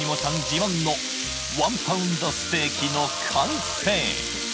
自慢の１パウンドステーキの完成！